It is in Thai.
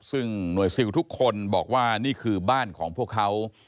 ซึ่งหน่วยซิลทุกคนบอกว่านี่คือบ้านของพวกเขา